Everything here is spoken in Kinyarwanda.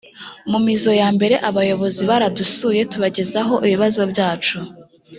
mu mizo ya mbere abayobozi baradusuye tubagezaho ibibazo byacu